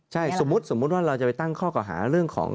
ใช่สมมุติว่าเราจะไปตั้งข้อข่าวหาเรื่องของ